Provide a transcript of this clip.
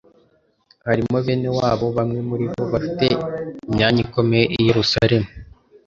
harimo bene wabo bamwe muri bo bafite imyanya ikomeye i Yerusalemu.